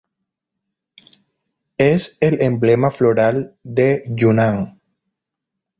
Es el emblema floral de Yunnan.